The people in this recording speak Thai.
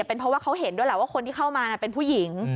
เป็นเพราะว่าเขาเห็นด้วยแหละว่าคนที่เข้ามาเป็นผู้หญิง